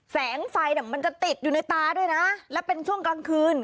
แสงไฟเนี่ยมันจะติดอยู่ในตาด้วยนะและเป็นช่วงกลางคืน